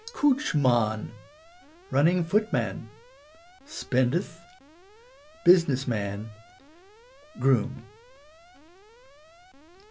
Coochmann Running footman Spendth Business man Groome.